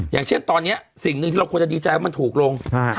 อย่างเช่นตอนนี้สิ่งหนึ่งที่เราควรจะดีใจว่ามันถูกลง